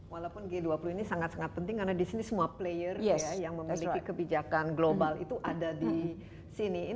walaupun g dua puluh ini sangat sangat penting karena di sini semua player yang memiliki kebijakan global itu ada di sini